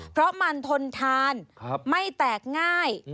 เพราะมันทนทานไม่แตกง่าย